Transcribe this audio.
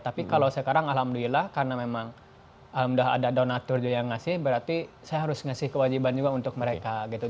tapi kalau sekarang alhamdulillah karena memang udah ada donatur juga yang ngasih berarti saya harus ngasih kewajiban juga untuk mereka gitu